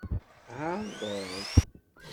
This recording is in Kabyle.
Tɛerḍeḍ.